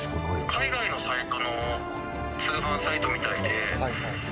海外のサイトの通販サイトみたいで。